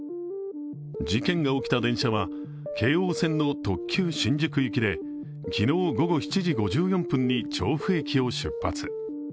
事件が起きた電車は、京王線の特急新宿行きで昨日午後７時５４分に調布駅を出発。